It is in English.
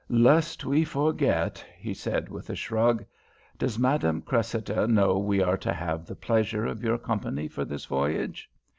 "Lest we forget!" he said with a shrug. "Does Madame Cressida know we are to have the pleasure of your company for this voyage?"